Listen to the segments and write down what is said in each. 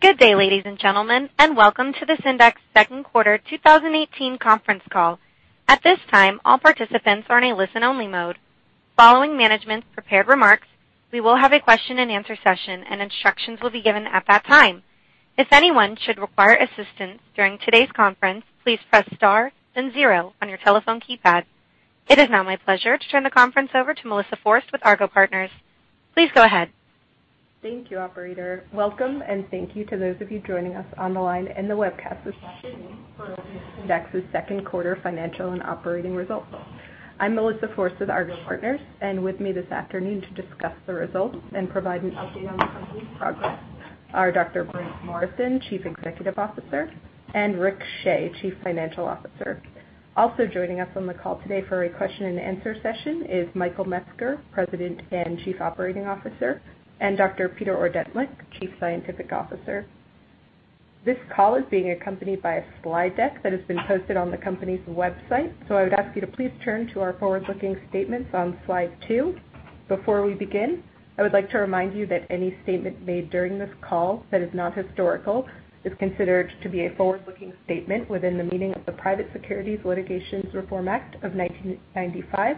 Good day, ladies and gentlemen, and welcome to the Syndax second quarter 2018 conference call. At this time, all participants are in a listen-only mode. Following management's prepared remarks, we will have a question and answer session and instructions will be given at that time. If anyone should require assistance during today's conference, please press star then zero on your telephone keypad. It is now my pleasure to turn the conference over to Melissa Forst with Argot Partners. Please go ahead. Thank you, operator. Welcome and thank you to those of you joining us on the line and the webcast this afternoon for Syndax's second quarter financial and operating results. I'm Melissa Forst with Argot Partners, and with me this afternoon to discuss the results and provide an update on the company's progress are Dr. Briggs Morrison, Chief Executive Officer, and Rick Shea, Chief Financial Officer. Also joining us on the call today for a question and answer session is Michael Metzger, President and Chief Operating Officer, and Dr. Peter Ordentlich, Chief Scientific Officer. This call is being accompanied by a slide deck that has been posted on the company's website. I would ask you to please turn to our forward-looking statements on slide two. Before we begin, I would like to remind you that any statement made during this call that is not historical is considered to be a forward-looking statement within the meaning of the Private Securities Litigation Reform Act of 1995.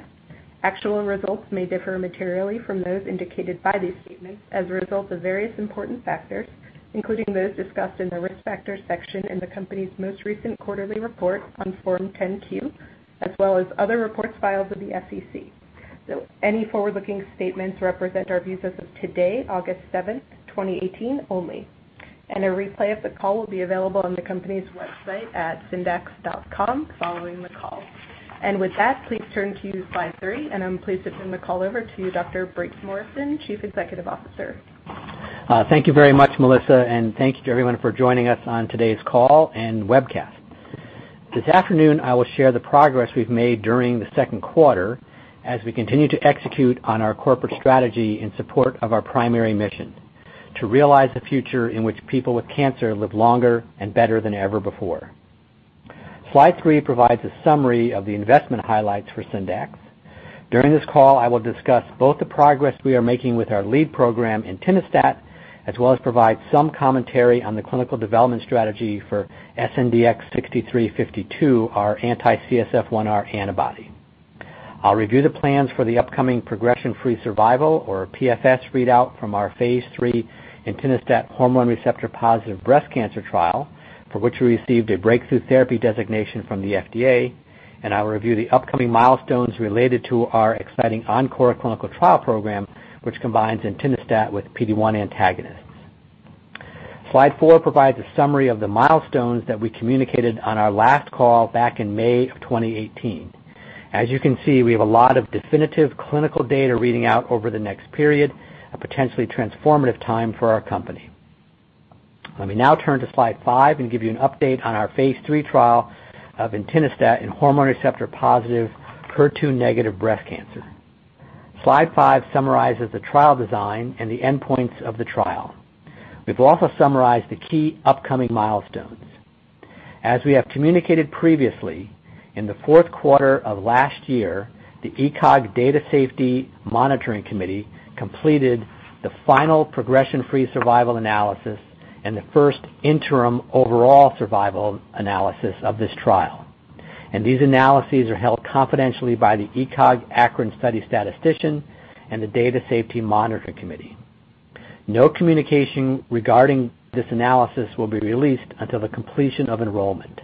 Actual results may differ materially from those indicated by these statements as a result of various important factors, including those discussed in the Risk Factors section in the company's most recent quarterly report on Form 10-Q, as well as other reports filed with the SEC. Any forward-looking statements represent our views as of today, August seventh, 2018 only. A replay of the call will be available on the company's website at syndax.com following the call. With that, please turn to slide three, I'm pleased to turn the call over to Dr. Briggs Morrison, Chief Executive Officer. Thank you very much, Melissa, and thank you to everyone for joining us on today's call and webcast. This afternoon, I will share the progress we've made during the second quarter as we continue to execute on our corporate strategy in support of our primary mission to realize a future in which people with cancer live longer and better than ever before. Slide three provides a summary of the investment highlights for Syndax. During this call, I will discuss both the progress we are making with our lead program, entinostat, as well as provide some commentary on the clinical development strategy for SNDX-6352, our anti-CSF1R antibody. I'll review the plans for the upcoming progression-free survival or PFS readout from our phase III entinostat hormone receptor-positive breast cancer trial, for which we received a breakthrough therapy designation from the FDA. I'll review the upcoming milestones related to our exciting ENCORE clinical trial program, which combines entinostat with PD-1 antagonists. Slide four provides a summary of the milestones that we communicated on our last call back in May of 2018. As you can see, we have a lot of definitive clinical data reading out over the next period, a potentially transformative time for our company. Let me now turn to Slide five and give you an update on our phase III trial of entinostat in hormone receptor-positive, HER2-negative breast cancer. Slide five summarizes the trial design and the endpoints of the trial. We've also summarized the key upcoming milestones. As we have communicated previously, in the fourth quarter of last year, the ECOG Data Safety Monitoring Committee completed the final progression-free survival analysis and the first interim overall survival analysis of this trial. These analyses are held confidentially by the ECOG-ACRIN study statistician and the Data Safety Monitoring Committee. No communication regarding this analysis will be released until the completion of enrollment.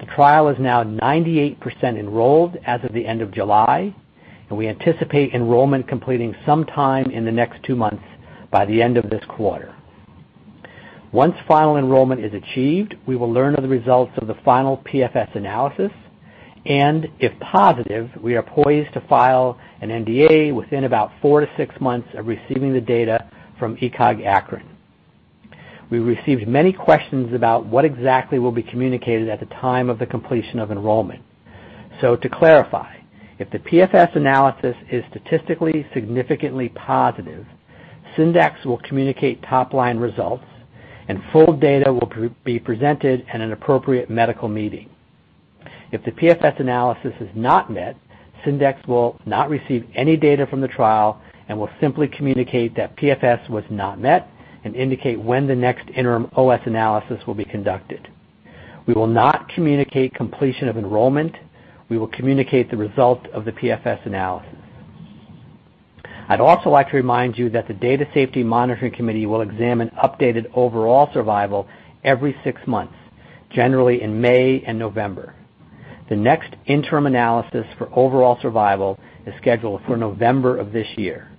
The trial is now 98% enrolled as of the end of July, and we anticipate enrollment completing sometime in the next two months by the end of this quarter. Once final enrollment is achieved, we will learn of the results of the final PFS analysis, and if positive, we are poised to file an NDA within about four to six months of receiving the data from ECOG-ACRIN. We received many questions about what exactly will be communicated at the time of the completion of enrollment. To clarify, if the PFS analysis is statistically significantly positive, Syndax will communicate top-line results and full data will be presented at an appropriate medical meeting. If the PFS analysis is not met, Syndax will not receive any data from the trial and will simply communicate that PFS was not met and indicate when the next interim OS analysis will be conducted. We will not communicate completion of enrollment. We will communicate the result of the PFS analysis. I'd also like to remind you that the Data Safety Monitoring Committee will examine updated overall survival every six months, generally in May and November. The next interim analysis for overall survival is scheduled for November of this year.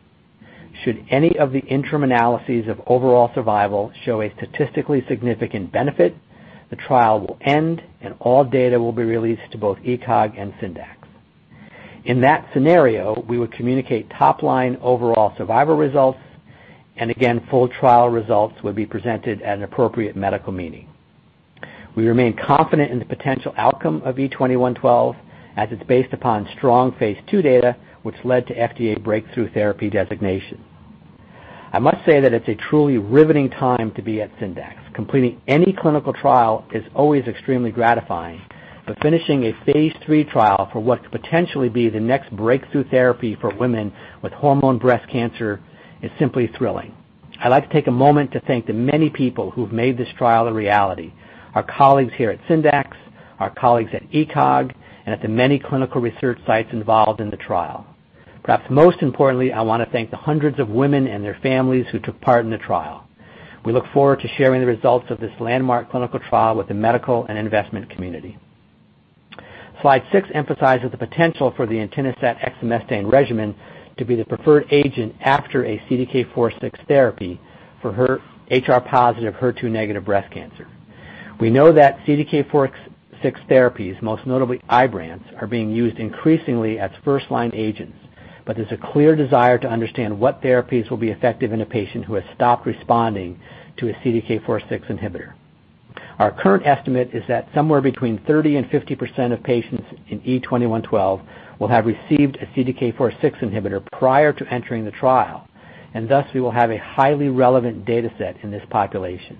Should any of the interim analyses of overall survival show a statistically significant benefit, the trial will end, and all data will be released to both ECOG and Syndax. In that scenario, we would communicate top-line overall survival results, and again, full trial results would be presented at an appropriate medical meeting. We remain confident in the potential outcome of E2112 as it's based upon strong phase II data, which led to FDA breakthrough therapy designation. I must say that it's a truly riveting time to be at Syndax. Completing any clinical trial is always extremely gratifying. But finishing a phase III trial for what could potentially be the next breakthrough therapy for women with hormone breast cancer is simply thrilling. I'd like to take a moment to thank the many people who have made this trial a reality, our colleagues here at Syndax, our colleagues at ECOG, and at the many clinical research sites involved in the trial. Perhaps most importantly, I want to thank the hundreds of women and their families who took part in the trial. We look forward to sharing the results of this landmark clinical trial with the medical and investment community. Slide six emphasizes the potential for the entinostat/exemestane regimen to be the preferred agent after a CDK4/6 therapy for HR-positive, HER2-negative breast cancer. We know that CDK4/6 therapies, most notably IBRANCE, are being used increasingly as first-line agents. There's a clear desire to understand what therapies will be effective in a patient who has stopped responding to a CDK4/6 inhibitor. Our current estimate is that somewhere between 30%-50% of patients in E2112 will have received a CDK4/6 inhibitor prior to entering the trial, and thus we will have a highly relevant data set in this population.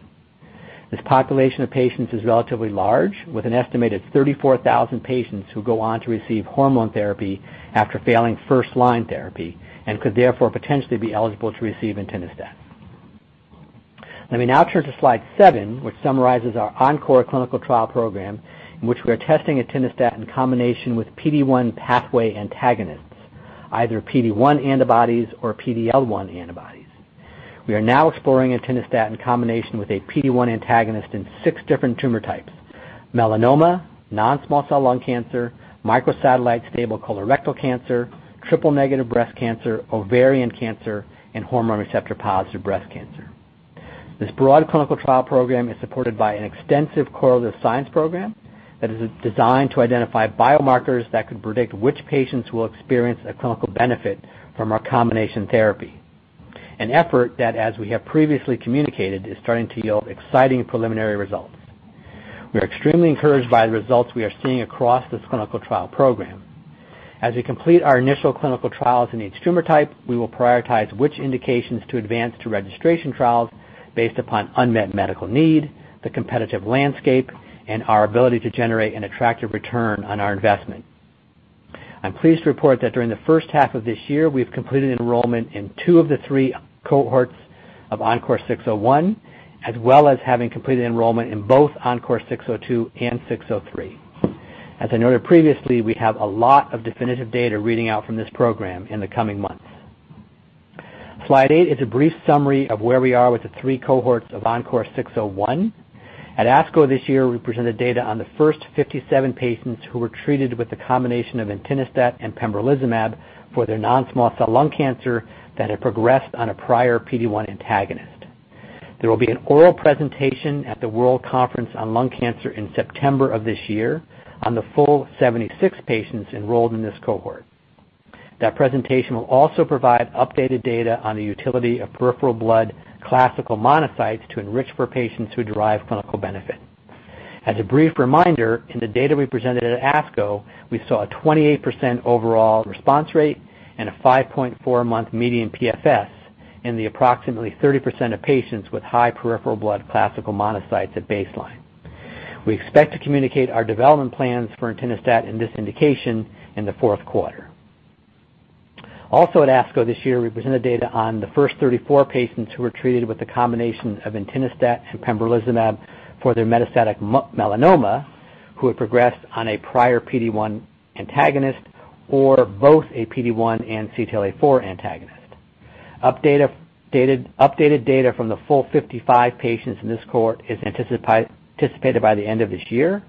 This population of patients is relatively large, with an estimated 34,000 patients who go on to receive hormone therapy after failing first-line therapy and could therefore potentially be eligible to receive entinostat. Let me now turn to slide seven, which summarizes our ENCORE clinical trial program, in which we are testing entinostat in combination with PD-1 pathway antagonists, either PD-1 antibodies or PD-L1 antibodies. We are now exploring entinostat in combination with a PD-1 antagonist in six different tumor types: melanoma, non-small cell lung cancer, microsatellite stable colorectal cancer, triple-negative breast cancer, ovarian cancer, and hormone receptor-positive breast cancer. This broad clinical trial program is supported by an extensive correlative science program that is designed to identify biomarkers that could predict which patients will experience a clinical benefit from our combination therapy. An effort that, as we have previously communicated, is starting to yield exciting preliminary results. We are extremely encouraged by the results we are seeing across this clinical trial program. As we complete our initial clinical trials in each tumor type, we will prioritize which indications to advance to registration trials based upon unmet medical need, the competitive landscape, and our ability to generate an attractive return on our investment. I'm pleased to report that during the first half of this year, we've completed enrollment in two of the three cohorts of ENCORE 601, as well as having completed enrollment in both ENCORE 602 and 603. As I noted previously, we have a lot of definitive data reading out from this program in the coming months. Slide eight is a brief summary of where we are with the three cohorts of ENCORE 601. At ASCO this year, we presented data on the first 57 patients who were treated with the combination of entinostat and pembrolizumab for their non-small cell lung cancer that had progressed on a prior PD-1 antagonist. There will be an oral presentation at the World Conference on Lung Cancer in September of this year on the full 76 patients enrolled in this cohort. That presentation will also provide updated data on the utility of peripheral blood classical monocytes to enrich for patients who derive clinical benefit. In the data we presented at ASCO, we saw a 28% overall response rate and a 5.4-month median PFS in the approximately 30% of patients with high peripheral blood classical monocytes at baseline. We expect to communicate our development plans for entinostat in this indication in the fourth quarter. At ASCO this year, we presented data on the first 34 patients who were treated with the combination of entinostat and pembrolizumab for their metastatic melanoma who had progressed on a prior PD-1 antagonist or both a PD-1 and CTLA-4 antagonist. Updated data from the full 55 patients in this cohort is anticipated by the end of this year.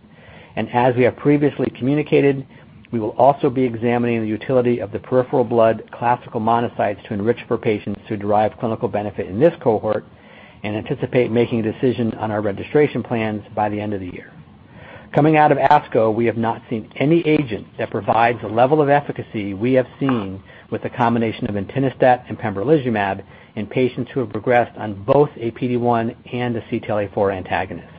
As we have previously communicated, we will also be examining the utility of the peripheral blood classical monocytes to enrich for patients who derive clinical benefit in this cohort and anticipate making a decision on our registration plans by the end of the year. Coming out of ASCO, we have not seen any agent that provides the level of efficacy we have seen with the combination of entinostat and pembrolizumab in patients who have progressed on both a PD-1 and a CTLA-4 antagonist.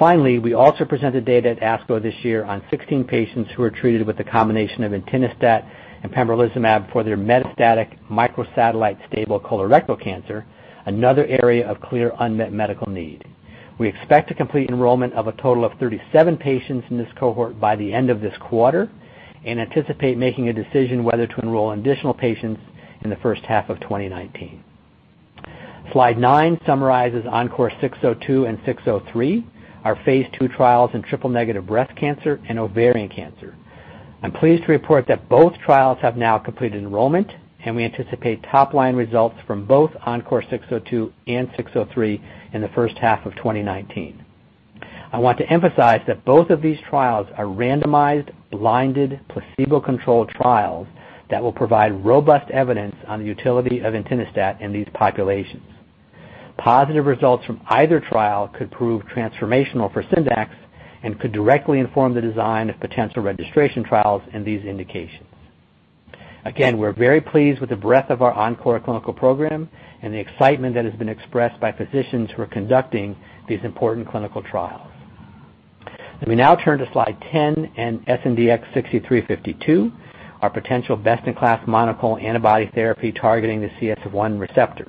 Finally, we also presented data at ASCO this year on 16 patients who were treated with a combination of entinostat and pembrolizumab for their metastatic microsatellite stable colorectal cancer, another area of clear unmet medical need. We expect to complete enrollment of a total of 37 patients in this cohort by the end of this quarter and anticipate making a decision whether to enroll additional patients in the first half of 2019. Slide nine summarizes ENCORE 602 and 603, our phase II trials in triple-negative breast cancer and ovarian cancer. I'm pleased to report that both trials have now completed enrollment, and we anticipate top-line results from both ENCORE 602 and 603 in the first half of 2019. I want to emphasize that both of these trials are randomized, blinded, placebo-controlled trials that will provide robust evidence on the utility of entinostat in these populations. Positive results from either trial could prove transformational for Syndax and could directly inform the design of potential registration trials in these indications. Again, we're very pleased with the breadth of our ENCORE clinical program and the excitement that has been expressed by physicians who are conducting these important clinical trials. Let me now turn to slide 10 and SNDX-6352, our potential best-in-class monoclonal antibody therapy targeting the CSF1R.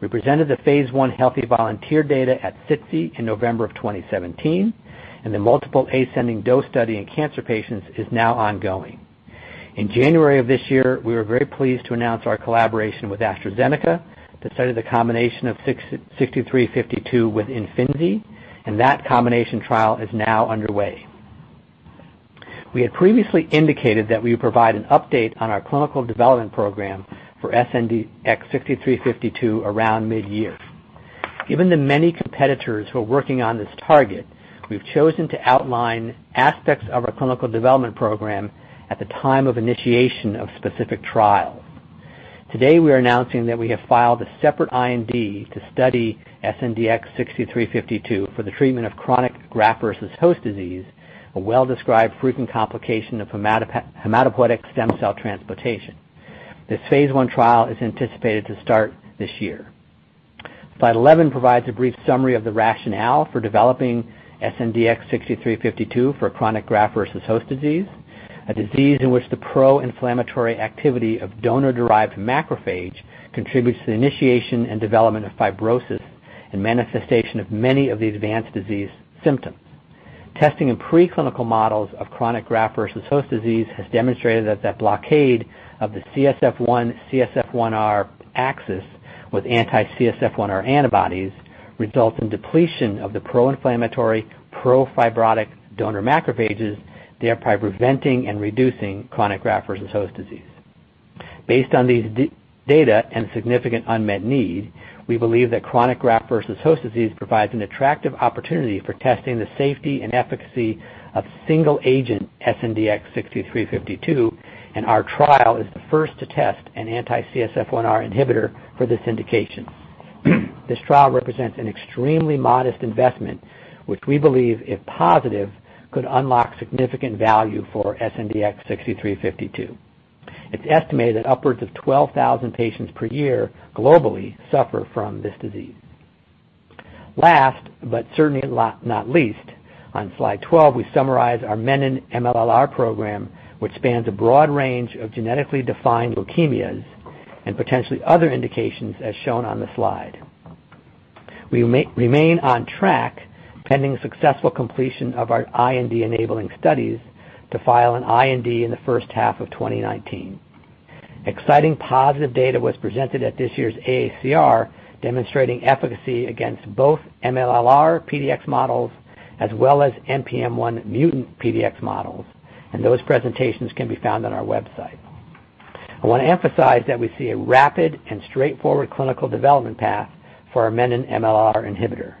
We presented the phase I healthy volunteer data at SITC in November of 2017, and the multiple ascending dose study in cancer patients is now ongoing. In January of this year, we were very pleased to announce our collaboration with AstraZeneca to study the combination of SNDX-6352 with IMFINZI, and that combination trial is now underway. We had previously indicated that we would provide an update on our clinical development program for SNDX-6352 around mid-year. Given the many competitors who are working on this target, we've chosen to outline aspects of our clinical development program at the time of initiation of specific trials. Today, we are announcing that we have filed a separate IND to study SNDX-6352 for the treatment of chronic graft versus host disease, a well-described frequent complication of hematopoietic stem cell transplantation. This phase I trial is anticipated to start this year. Slide 11 provides a brief summary of the rationale for developing SNDX-6352 for chronic graft versus host disease, a disease in which the pro-inflammatory activity of donor-derived macrophage contributes to the initiation and development of fibrosis and manifestation of many of the advanced disease symptoms. Testing in preclinical models of chronic graft versus host disease has demonstrated that the blockade of the CSF1/CSF1R axis with anti-CSF1R antibodies results in depletion of the pro-inflammatory, pro-fibrotic donor macrophages, thereby preventing and reducing chronic graft versus host disease. Based on these data and significant unmet need, we believe that chronic graft versus host disease provides an attractive opportunity for testing the safety and efficacy of single-agent SNDX-6352. Our trial is the first to test an anti-CSF1R inhibitor for this indication. This trial represents an extremely modest investment, which we believe, if positive, could unlock significant value for SNDX-6352. It's estimated that upwards of 12,000 patients per year globally suffer from this disease. Last, but certainly not least, on slide 12, we summarize our Menin-MLLr program, which spans a broad range of genetically defined leukemias and potentially other indications, as shown on the slide. We remain on track, pending successful completion of our IND-enabling studies, to file an IND in the first half of 2019. Exciting positive data was presented at this year's AACR, demonstrating efficacy against both MLLr PDX models as well as NPM1 mutant PDX models. Those presentations can be found on our website. I want to emphasize that we see a rapid and straightforward clinical development path for our Menin-MLLr inhibitor.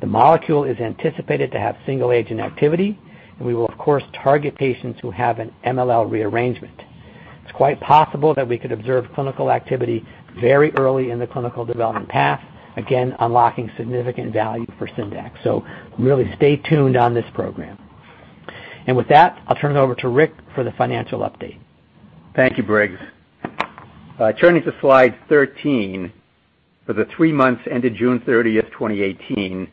The molecule is anticipated to have single-agent activity. We will of course target patients who have an MLL rearrangement. It's quite possible that we could observe clinical activity very early in the clinical development path, again, unlocking significant value for Syndax. Really stay tuned on this program. With that, I'll turn it over to Rick for the financial update. Thank you, Briggs. Turning to slide 13, for the three months ended June 30th, 2018,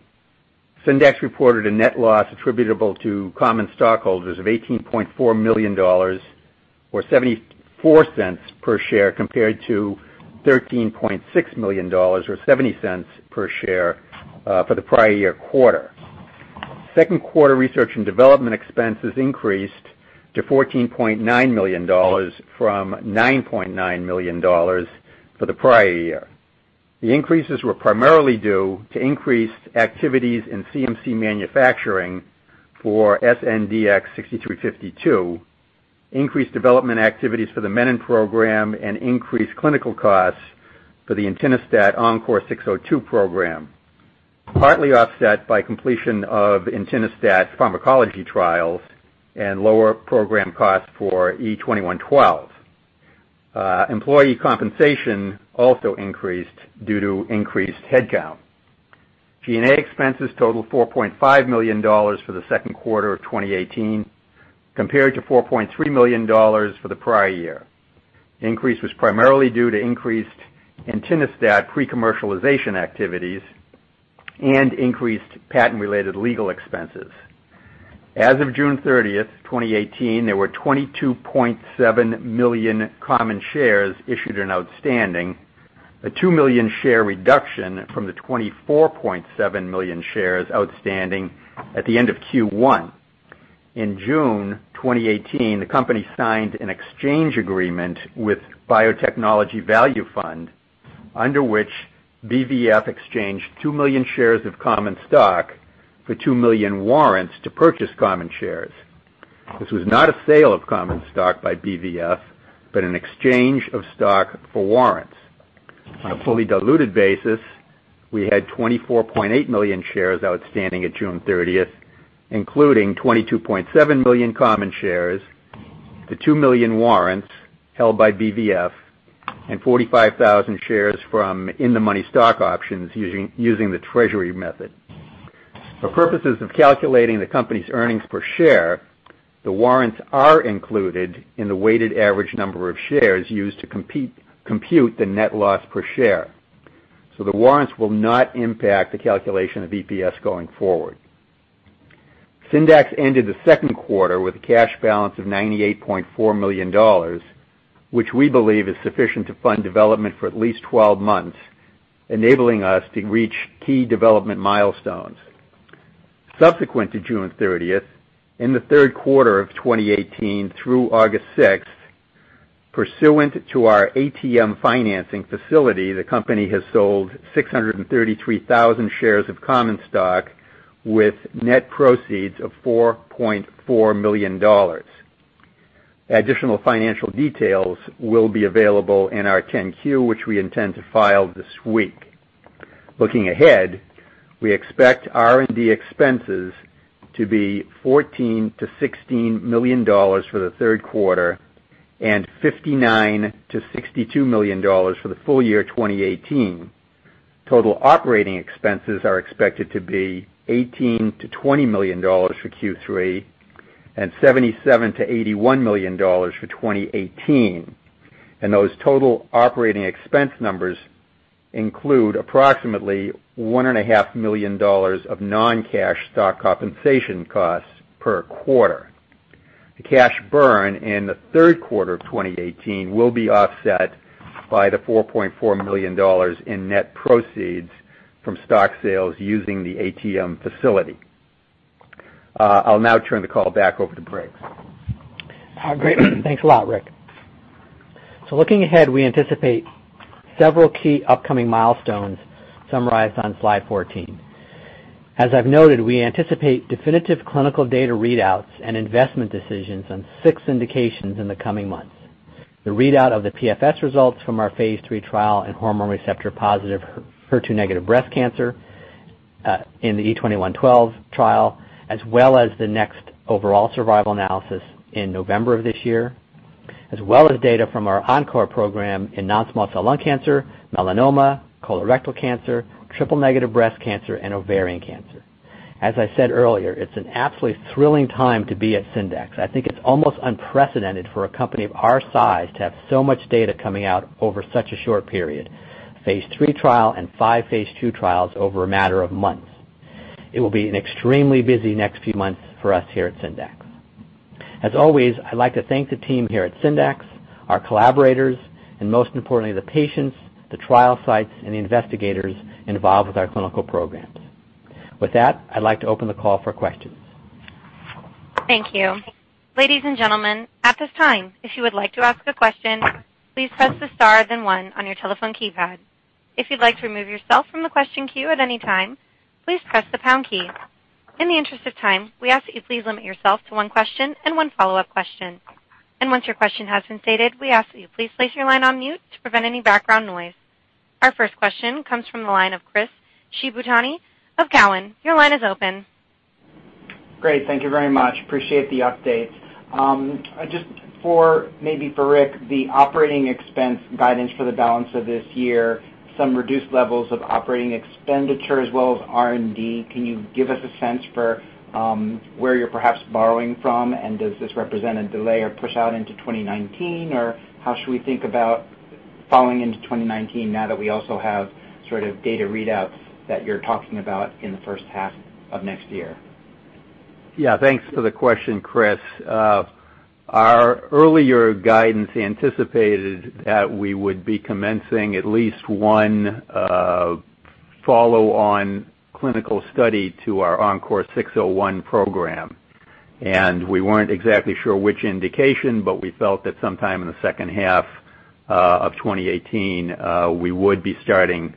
Syndax reported a net loss attributable to common stockholders of $18.4 million or $0.74 per share, compared to $13.6 million or $0.70 per share for the prior year quarter. Second quarter research and development expenses increased to $14.9 million from $9.9 million for the prior year. The increases were primarily due to increased activities in CMC manufacturing for SNDX-6352, increased development activities for the Menin program, and increased clinical costs for the entinostat ENCORE 602 program, partly offset by completion of entinostat pharmacology trials and lower program costs for E-2112. Employee compensation also increased due to increased headcount. G&A expenses totaled $4.5 million for the second quarter of 2018, compared to $4.3 million for the prior year. The increase was primarily due to increased entinostat pre-commercialization activities and increased patent-related legal expenses. As of June 30th, 2018, there were 22.7 million common shares issued and outstanding, a 2 million share reduction from the 24.7 million shares outstanding at the end of Q1. In June 2018, the company signed an exchange agreement with Biotechnology Value Fund, under which BVF exchanged 2 million shares of common stock for 2 million warrants to purchase common shares. This was not a sale of common stock by BVF, but an exchange of stock for warrants. On a fully diluted basis, we had 24.8 million shares outstanding at June 30th, including 22.7 million common shares to 2 million warrants held by BVF and 45,000 shares from in-the-money stock options using the treasury method. For purposes of calculating the company's earnings per share, the warrants are included in the weighted average number of shares used to compute the net loss per share. The warrants will not impact the calculation of EPS going forward. Syndax ended the second quarter with a cash balance of $98.4 million, which we believe is sufficient to fund development for at least 12 months, enabling us to reach key development milestones. Subsequent to June 30th, in the third quarter of 2018 through August 6th, pursuant to our ATM financing facility, the company has sold 633,000 shares of common stock with net proceeds of $4.4 million. Additional financial details will be available in our 10-Q, which we intend to file this week. Looking ahead, we expect R&D expenses to be $14 million-$16 million for the third quarter and $59 million-$62 million for the full year 2018. Total operating expenses are expected to be $18 million-$20 million for Q3 and $77 million-$81 million for 2018. Those total operating expense numbers include approximately $1.5 million of non-cash stock compensation costs per quarter. The cash burn in the third quarter of 2018 will be offset by the $4.4 million in net proceeds from stock sales using the ATM facility. I'll now turn the call back over to Briggs. Great. Thanks a lot, Rick. Looking ahead, we anticipate several key upcoming milestones summarized on slide 14. As I've noted, we anticipate definitive clinical data readouts and investment decisions on six indications in the coming months. The readout of the PFS results from our phase III trial in hormone receptor-positive, HER2-negative breast cancer in the E2112 trial, as well as the next overall survival analysis in November of this year, as well as data from our ENCORE program in non-small cell lung cancer, melanoma, colorectal cancer, triple-negative breast cancer, and ovarian cancer. As I said earlier, it's an absolutely thrilling time to be at Syndax. I think it's almost unprecedented for a company of our size to have so much data coming out over such a short period, phase III trial and five phase II trials over a matter of months. It will be an extremely busy next few months for us here at Syndax. As always, I'd like to thank the team here at Syndax, our collaborators, and most importantly, the patients, the trial sites, and the investigators involved with our clinical programs. With that, I'd like to open the call for questions. Thank you. Ladies and gentlemen, at this time, if you would like to ask a question, please press the star, then one on your telephone keypad. If you'd like to remove yourself from the question queue at any time, please press the pound key. In the interest of time, we ask that you please limit yourself to one question and one follow-up question. Once your question has been stated, we ask that you please place your line on mute to prevent any background noise. Our first question comes from the line of Chris Shibutani of Cowen. Your line is open. Great. Thank you very much. Appreciate the updates. Just maybe for Rick, the operating expense guidance for the balance of this year, some reduced levels of operating expenditure as well as R&D. Can you give us a sense for where you're perhaps borrowing from? Does this represent a delay or push out into 2019? How should we think about falling into 2019 now that we also have sort of data readouts that you're talking about in the first half of next year? Yeah. Thanks for the question, Chris. Our earlier guidance anticipated that we would be commencing at least one follow-on clinical study to our ENCORE 601 program. We weren't exactly sure which indication, but we felt that sometime in the second half of 2018, we would be starting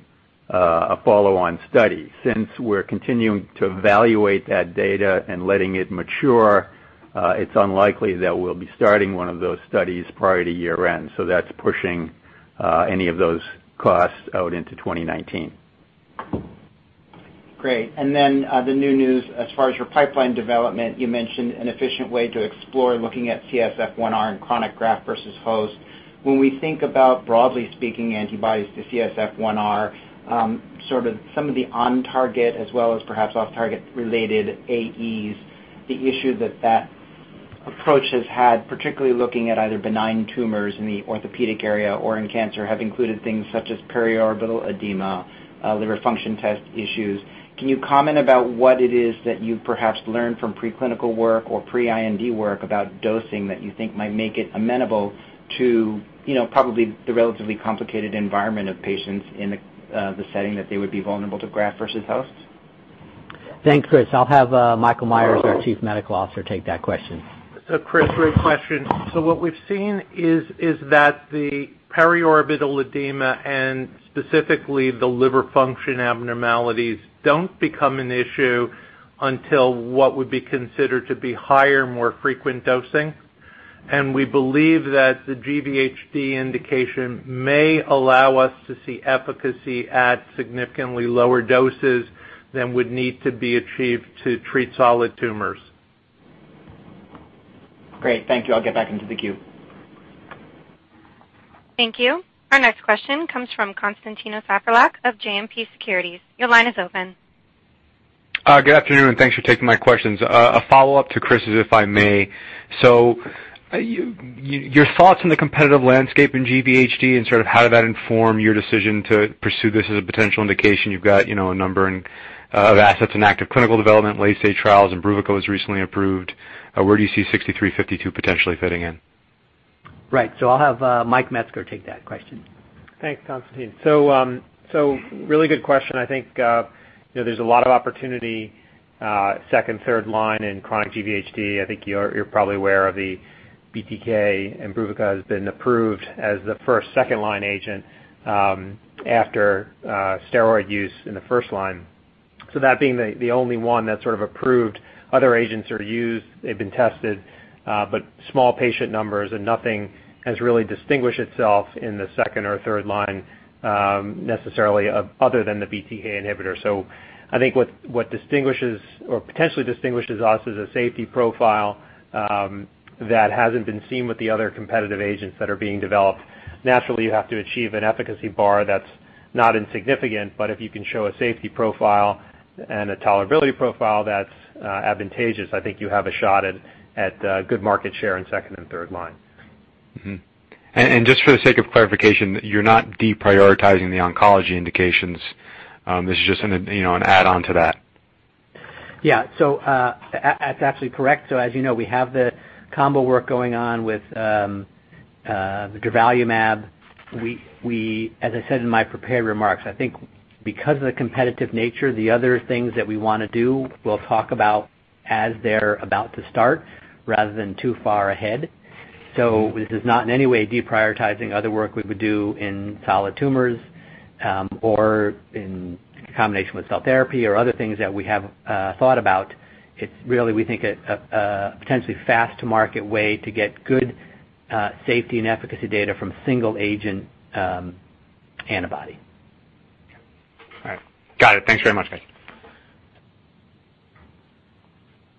a follow-on study. Since we're continuing to evaluate that data and letting it mature, it's unlikely that we'll be starting one of those studies prior to year-end. That's pushing any of those costs out into 2019. Great. The new news as far as your pipeline development, you mentioned an efficient way to explore looking at CSF1R and chronic graft versus host. When we think about, broadly speaking, antibodies to CSF1R, some of the on-target as well as perhaps off-target related AEs, the issue that that approach has had, particularly looking at either benign tumors in the orthopedic area or in cancer, have included things such as periorbital edema, liver function test issues. Can you comment about what it is that you perhaps learned from preclinical work or pre-IND work about dosing that you think might make it amenable to probably the relatively complicated environment of patients in the setting that they would be vulnerable to graft versus host? Thanks, Chris. I'll have Michael L. Meyers, our Chief Medical Officer, take that question. Chris, great question. What we've seen is that the periorbital edema and specifically the liver function abnormalities don't become an issue until what would be considered to be higher, more frequent dosing. We believe that the GVHD indication may allow us to see efficacy at significantly lower doses than would need to be achieved to treat solid tumors. Great. Thank you. I'll get back into the queue. Thank you. Our next question comes from Konstantinos Aprilakis of JMP Securities. Your line is open. Good afternoon, and thanks for taking my questions. A follow-up to Chris's, if I may. Your thoughts on the competitive landscape in GVHD and how did that inform your decision to pursue this as a potential indication? You've got a number of assets in active clinical development, late-stage trials, and BRUKINSA was recently approved. Where do you see 6352 potentially fitting in? Right. I'll have Mike Metzger take that question. Thanks, Konstantin. Really good question. I think there's a lot of opportunity second, third line in chronic GVHD. I think you're probably aware of the BTK inhibitor has been approved as the first second-line agent after steroid use in the first line. That being the only one that's sort of approved, other agents are used, they've been tested, but small patient numbers and nothing has really distinguished itself in the second or third line necessarily other than the BTK inhibitor. I think what distinguishes or potentially distinguishes us is a safety profile that hasn't been seen with the other competitive agents that are being developed. Naturally, you have to achieve an efficacy bar that's not insignificant, but if you can show a safety profile and a tolerability profile that's advantageous, I think you have a shot at good market share in second and third line. Mm-hmm. Just for the sake of clarification, you're not deprioritizing the oncology indications. This is just an add-on to that. Yeah. That's absolutely correct. As you know, we have the combo work going on with durvalumab. As I said in my prepared remarks, I think because of the competitive nature, the other things that we want to do, we'll talk about as they're about to start rather than too far ahead. This is not in any way deprioritizing other work we would do in solid tumors or in combination with cell therapy or other things that we have thought about. It's really, we think, a potentially fast-to-market way to get good safety and efficacy data from single agent antibody. All right. Got it. Thanks very much, guys.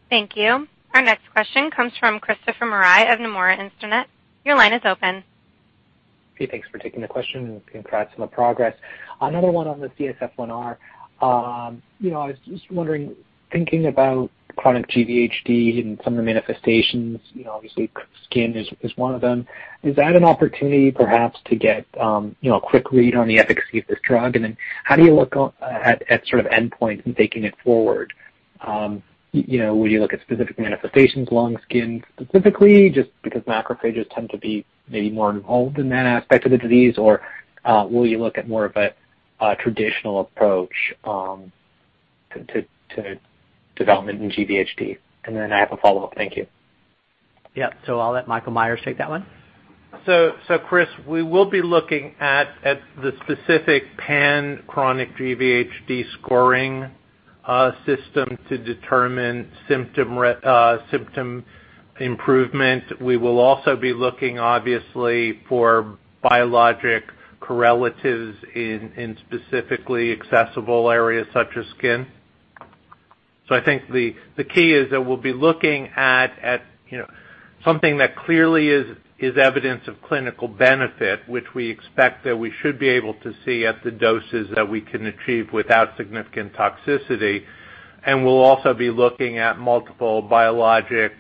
Thank you. Our next question comes from Christopher Marai of Nomura Instinet. Your line is open. Hey, thanks for taking the question, and congrats on the progress. Another one on the CSF1R. I was just wondering, thinking about chronic GVHD and some of the manifestations, obviously skin is one of them. Is that an opportunity perhaps to get quick read on the efficacy of this drug? How do you look at sort of endpoint in taking it forward? Will you look at specific manifestations, lung, skin, specifically, just because macrophages tend to be maybe more involved in that aspect of the disease? Will you look at more of a traditional approach to development in GVHD? I have a follow-up. Thank you. Yeah. I'll let Michael L. Meyers take that one. Chris, we will be looking at the specific pan chronic GVHD scoring system to determine symptom improvement. We will also be looking, obviously, for biologic correlatives in specifically accessible areas such as skin. I think the key is that we'll be looking at something that clearly is evidence of clinical benefit, which we expect that we should be able to see at the doses that we can achieve without significant toxicity. We'll also be looking at multiple biologic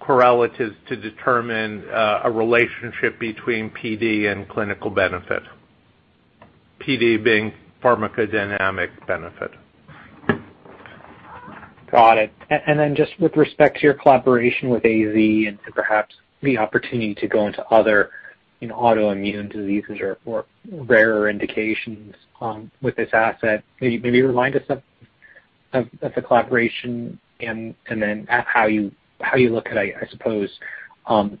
correlatives to determine a relationship between PD and clinical benefit, PD being pharmacodynamic benefit. Got it. Just with respect to your collaboration with AZ and to perhaps the opportunity to go into other autoimmune diseases or rarer indications with this asset, maybe remind us of the collaboration and then how you look at, I suppose,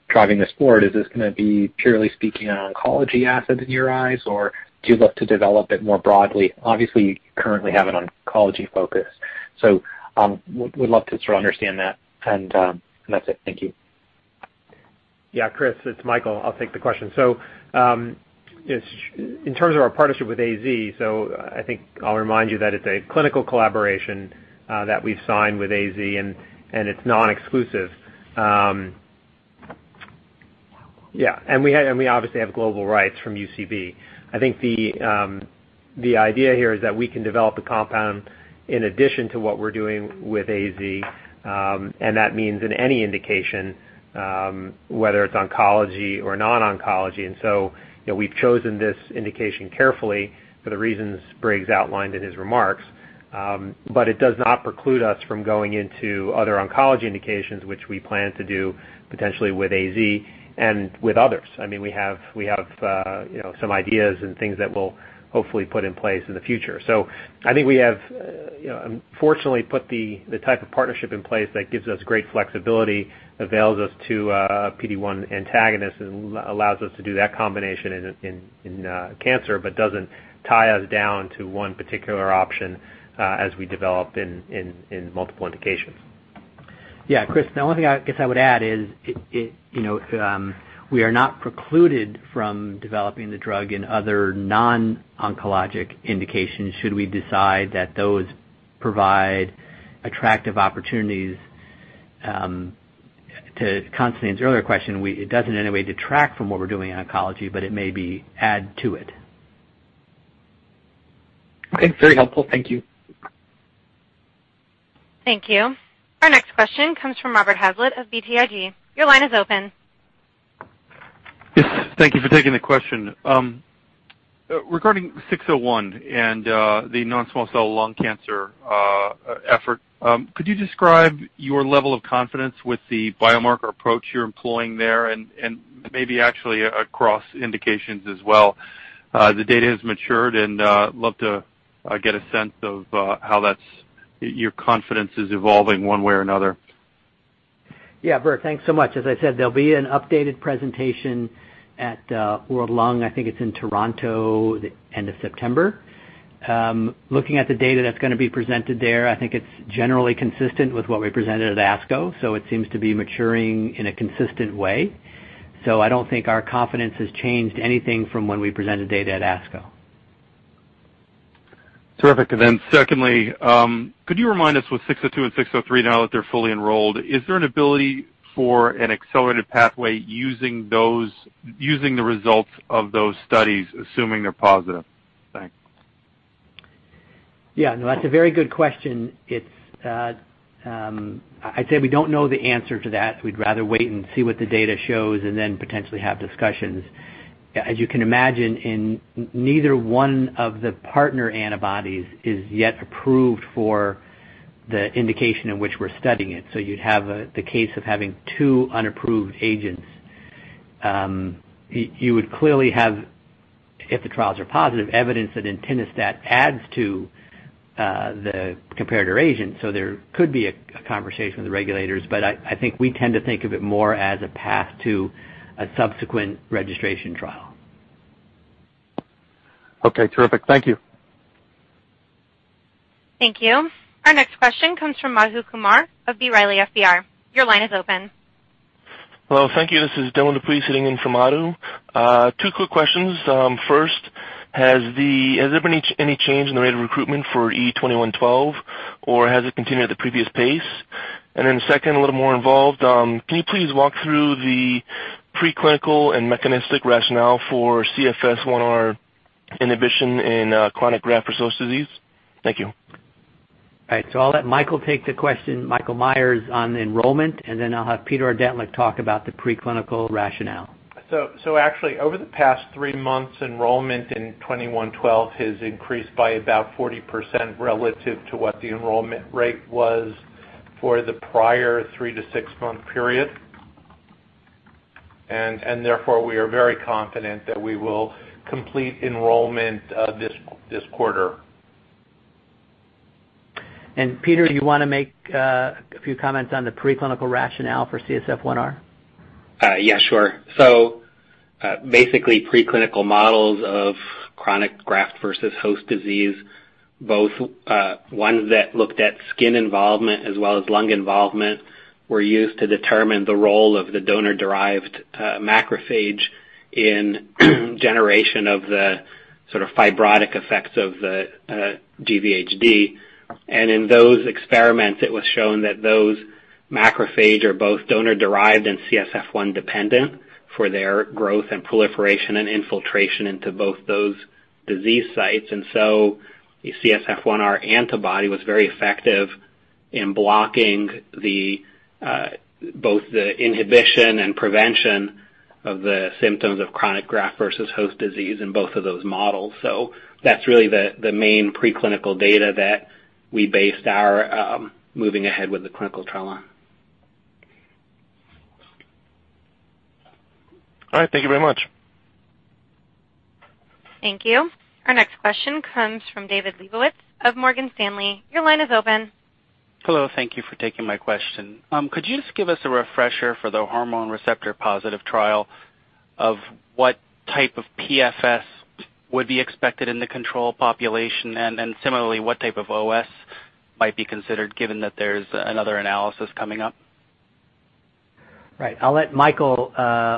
driving this forward. Is this going to be purely speaking an oncology asset in your eyes, or do you look to develop it more broadly? Obviously, you currently have an oncology focus. Would love to sort of understand that, and that's it. Thank you. Chris, it's Michael. I will take the question. In terms of our partnership with AZ, I think I will remind you that it's a clinical collaboration that we've signed with AZ, and it's non-exclusive. And we obviously have global rights from UCB. I think the idea here is that we can develop a compound in addition to what we're doing with AZ, and that means in any indication, whether it's oncology or non-oncology. We've chosen this indication carefully for the reasons Briggs outlined in his remarks. It does not preclude us from going into other oncology indications, which we plan to do potentially with AZ and with others. We have some ideas and things that we'll hopefully put in place in the future. I think we have fortunately put the type of partnership in place that gives us great flexibility, avails us to PD-1 antagonists, and allows us to do that combination in cancer, but doesn't tie us down to one particular option as we develop in multiple indications. Chris, the only thing I guess I would add is we are not precluded from developing the drug in other non-oncologic indications should we decide that those provide attractive opportunities. To Konstantin's earlier question, it doesn't in any way detract from what we're doing in oncology, but it may add to it. Okay. Very helpful. Thank you. Thank you. Our next question comes from Robert Hazlett of BTIG. Your line is open. Yes. Thank you for taking the question. Regarding 601 and the non-small cell lung cancer effort, could you describe your level of confidence with the biomarker approach you're employing there and maybe actually across indications as well? The data has matured, and love to get a sense of how your confidence is evolving one way or another. Yeah, Bert, thanks so much. As I said, there will be an updated presentation at World Lung. I think it's in Toronto, the end of September. Looking at the data that's going to be presented there, I think it's generally consistent with what we presented at ASCO, it seems to be maturing in a consistent way. I don't think our confidence has changed anything from when we presented data at ASCO. Terrific. Then secondly, could you remind us with 602 and 603, now that they're fully enrolled, is there an ability for an accelerated pathway using the results of those studies, assuming they're positive? Thanks. Yeah, no, that's a very good question. I'd say we don't know the answer to that. We'd rather wait and see what the data shows and then potentially have discussions. As you can imagine, neither one of the partner antibodies is yet approved for the indication in which we're studying it. You'd have the case of having two unapproved agents. You would clearly have, if the trials are positive, evidence that entinostat adds to the comparator agent, so there could be a conversation with the regulators. I think we tend to think of it more as a path to a subsequent registration trial. Okay. Terrific. Thank you. Thank you. Our next question comes from Madhu Kumar of B. Riley FBR. Your line is open. Hello. Thank you. This is Dylan Dupuis sitting in for Madhu. Two quick questions. First, has there been any change in the rate of recruitment for E2112, or has it continued at the previous pace? Second, a little more involved. Can you please walk through the pre-clinical and mechanistic rationale for CSF1R inhibition in chronic graft-versus-host disease? Thank you. All right. I'll let Michael take the question, Michael Meyers, on enrollment, and then I'll have Peter Ordentlich like to talk about the pre-clinical rationale. Actually, over the past three months, enrollment in E2112 has increased by about 40% relative to what the enrollment rate was for the prior three to six-month period. Therefore, we are very confident that we will complete enrollment this quarter. Peter, do you want to make a few comments on the pre-clinical rationale for CSF1R? Yeah, sure. Basically, pre-clinical models of chronic graft versus host disease, both ones that looked at skin involvement as well as lung involvement, were used to determine the role of the donor-derived macrophage in generation of the sort of fibrotic effects of the GVHD. In those experiments, it was shown that those macrophage are both donor-derived and CSF1-dependent for their growth and proliferation and infiltration into both those disease sites. The CSF1R antibody was very effective in blocking both the inhibition and prevention of the symptoms of chronic graft versus host disease in both of those models. That's really the main pre-clinical data that we based our moving ahead with the clinical trial on. All right. Thank you very much. Thank you. Our next question comes from David Lebowitz of Morgan Stanley. Your line is open. Hello. Thank you for taking my question. Could you just give us a refresher for the Hormone receptor-positive trial of what type of PFS would be expected in the control population, and similarly, what type of OS might be considered given that there's another analysis coming up? Right. I'll let Michael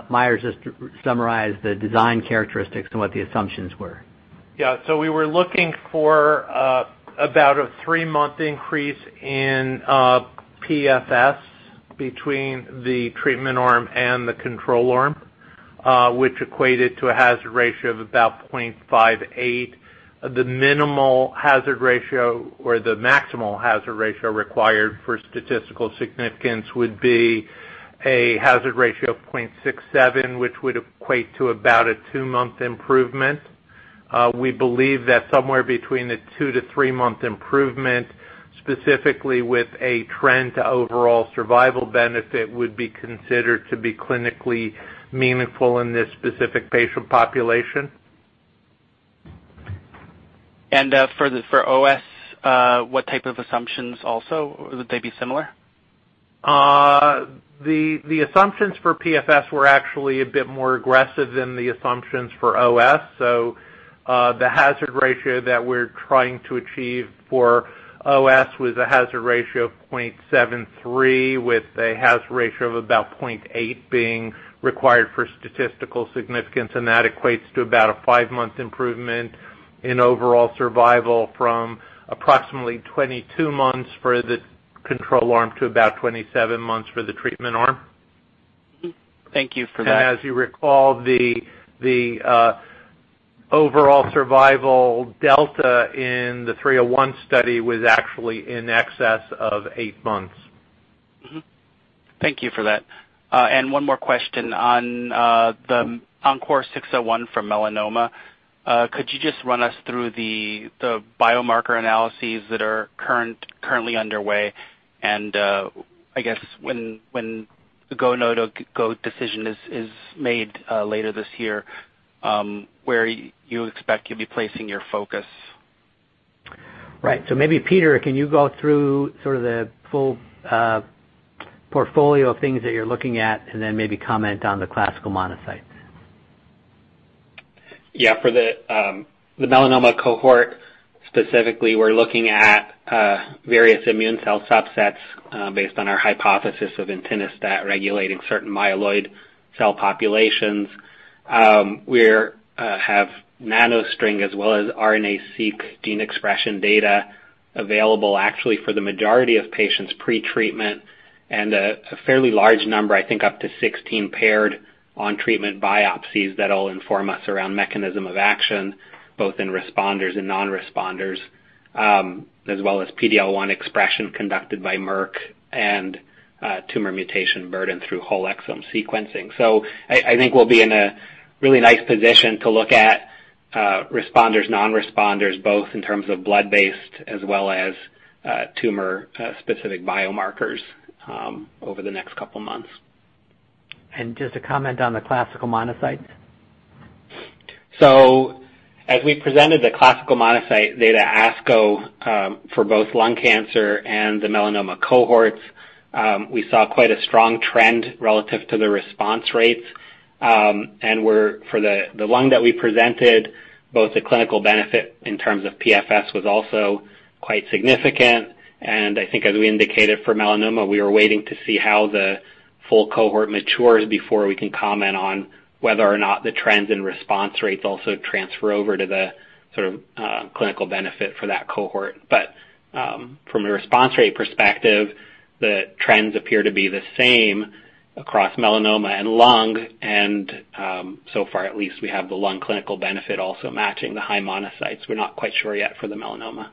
Meyers just summarize the design characteristics and what the assumptions were. Yeah. We were looking for about a three-month increase in PFS between the treatment arm and the control arm, which equated to a hazard ratio of about 0.58. The minimal hazard ratio or the maximal hazard ratio required for statistical significance would be a hazard ratio of 0.67, which would equate to about a two-month improvement. We believe that somewhere between the two to three-month improvement, specifically with a trend to overall survival benefit, would be considered to be clinically meaningful in this specific patient population. For OS, what type of assumptions also? Would they be similar? The assumptions for PFS were actually a bit more aggressive than the assumptions for OS. The hazard ratio that we're trying to achieve for OS was a hazard ratio of 0.73 with a hazard ratio of about 0.8 being required for statistical significance, and that equates to about a five-month improvement in overall survival from approximately 22 months for the control arm to about 27 months for the treatment arm. Thank you for that. As you recall, the overall survival delta in the 301 study was actually in excess of eight months. Thank you for that. One more question on the ENCORE 601 for melanoma. Could you just run us through the biomarker analyses that are currently underway and, I guess, when the go/no-go decision is made later this year, where you expect you'll be placing your focus? Right. Maybe Peter, can you go through sort of the full portfolio of things that you're looking at and then maybe comment on the classical monocytes? Yeah. For the melanoma cohort specifically, we're looking at various immune cell subsets based on our hypothesis of entinostat regulating certain myeloid cell populations. We have NanoString as well as RNA-Seq gene expression data available actually for the majority of patients pre-treatment and a fairly large number, I think up to 16 paired on treatment biopsies that'll inform us around mechanism of action, both in responders and non-responders, as well as PD-L1 expression conducted by Merck and tumor mutation burden through whole exome sequencing. I think we'll be in a really nice position to look at responders, non-responders, both in terms of blood based as well as tumor specific biomarkers over the next couple months. Just a comment on the classical monocytes. As we presented the classical monocyte data ASCO for both lung cancer and the melanoma cohorts, we saw quite a strong trend relative to the response rates. For the lung that we presented, both the clinical benefit in terms of PFS was also quite significant. I think as we indicated for melanoma, we are waiting to see how the full cohort matures before we can comment on whether or not the trends in response rates also transfer over to the clinical benefit for that cohort. From a response rate perspective, the trends appear to be the same across melanoma and lung, and so far at least we have the lung clinical benefit also matching the high monocytes. We're not quite sure yet for the melanoma.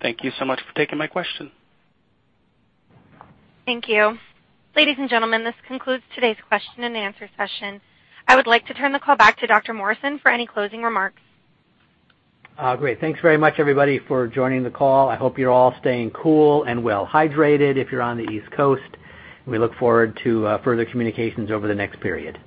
Thank you so much for taking my question. Thank you. Ladies and gentlemen, this concludes today's question and answer session. I would like to turn the call back to Dr. Morrison for any closing remarks. Great. Thanks very much everybody for joining the call. I hope you're all staying cool and well-hydrated if you're on the East Coast. We look forward to further communications over the next period.